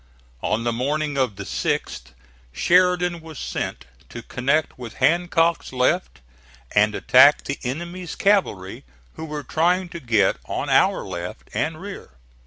On the morning of the 6th Sheridan was sent to connect with Hancock's left and attack the enemy's cavalry who were trying to get on our left and rear.